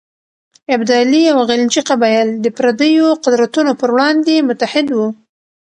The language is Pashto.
ابدالي او غلجي قبایل د پرديو قدرتونو پر وړاندې متحد وو.